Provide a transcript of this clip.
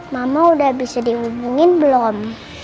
mama udah bisa dihubungin belum